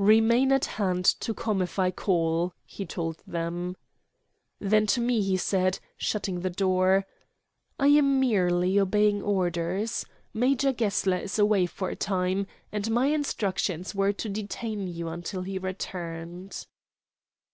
"Remain at hand to come if I call," he told them. Then to me he said, shutting the door: "I am merely obeying orders. Major Gessler is away for a time, and my instructions were to detain you until he returned."